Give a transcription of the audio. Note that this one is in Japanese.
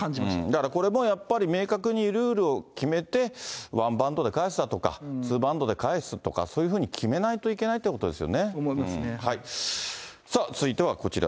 だからこれもやっぱり、明確にルールを決めて、ワンバウンドで返すだとかツーバウンドで返すとか、そういうふうに決めないといけないということですね。